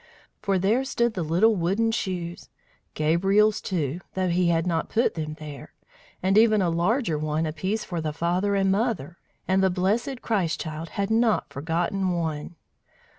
For there stood the little wooden shoes, Gabriel's, too, though he had not put them there, and even a larger one apiece for the father and mother, and the blessed Christ child had not forgotten one!